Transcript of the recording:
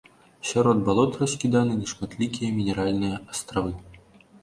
Сярод балот раскіданы нешматлікія мінеральныя астравы.